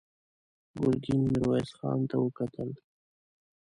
ګرګين ميرويس خان ته وکتل.